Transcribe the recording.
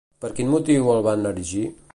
Per quin motiu el van erigir?